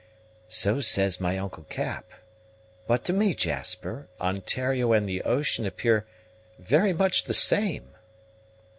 "So says my uncle Cap; but to me, Jasper, Ontario and the ocean appear very much the same."